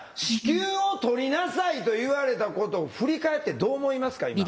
子宮を取りなさいと言われたことを振り返ってどう思いますか？